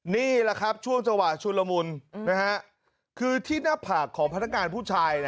นี่แหละครับช่วงจังหวะชุนละมุนคือที่หน้าผากของพนักงานผู้ชาย